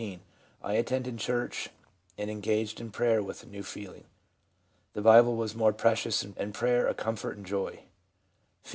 * I attended church and engaged in prayer with a new feeling. The Bible was more precious, and prayer a comfort and joy.' F., 14.